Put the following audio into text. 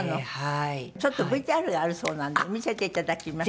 ちょっとＶＴＲがあるそうなんで見せて頂きます。